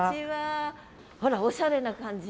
あらおしゃれな感じ。